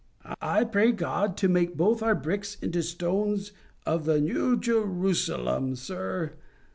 "I pray God to make both our bricks into stones of the New Jerusalem, sir.